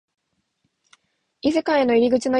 異世界への入り口のようだった